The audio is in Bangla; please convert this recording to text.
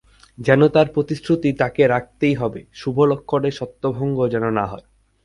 যেন তার প্রতিশ্রুতি তাকে রাখতেই হবে– শুভলক্ষণের সত্যভঙ্গ যেন না হয়।